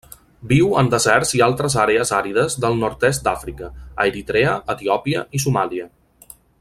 Viu en deserts i altres àrees àrides del nord-est d'Àfrica, a Eritrea, Etiòpia i Somàlia.